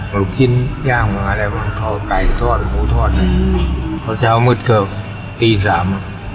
หลุมชิ้นย่างบางอะไรขอไก่ทอดหมูทอดเพราะเช้ามืดเกือบปีสาม